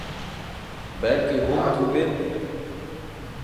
Бәлки, һуң түгелдер...